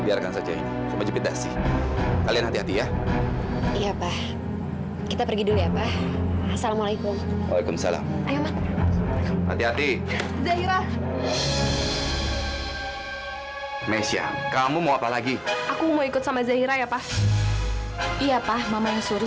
apa harus sebelah kiri ya